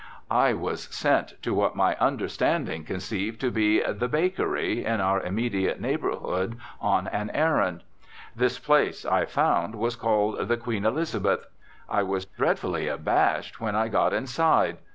I was sent to what my understanding conceived to be the "bakery" in our immediate neighbourhood, on an errand. This place, I found, was called the "Queen Elizabeth." I was dreadfully abashed when I got inside.